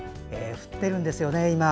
降ってるんですよね、今。